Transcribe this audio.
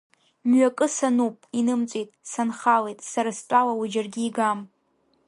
Мҩакы сануп, инымҵәеит, санхалеит, сара стәала, уи џьаргьы игам.